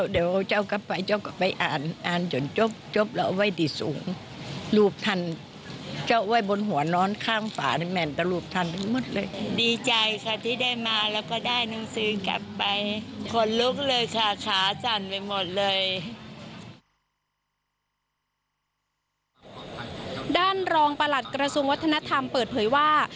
ด้านรองประหลัดกระทรวงวัฒนธรรมเปิดเผยว่า